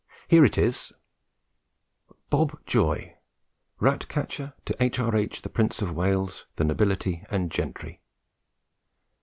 Here it is BOB JOY, RAT CATCHER _To H.R.H. The Prince of Wales, The Nobility and Gentry.